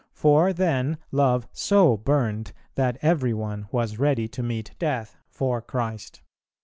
For then love so burned, that every one was ready to meet death for Christ.